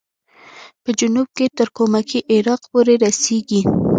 په جنوب کې تر کمکي عراق پورې رسېږي.